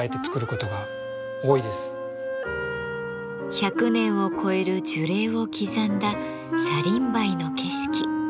１００年を超える樹齢を刻んだシャリンバイの景色。